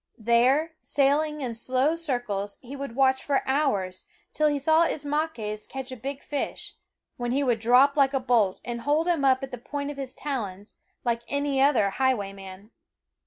There, sailing in slow circles, he would watch for hours till he saw Ismaques catch a big fish, when he would drop like a bolt and hold him up at the point of his talons, like any other highway man.